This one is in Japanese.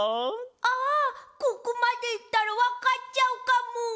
あここまでいったらわかっちゃうかも。